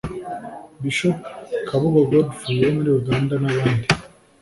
Bishop Kabugo Godfrey wo muri Uganda n'abandi